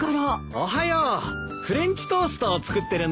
おはようフレンチトーストを作ってるんだ。